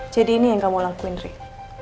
jadi ini yang kamu lakuin rik